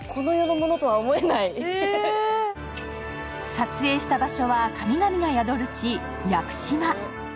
撮影した場所は神々が宿る地屋久島。